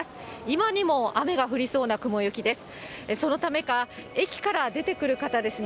今にも雨が降りそうな雲行きです。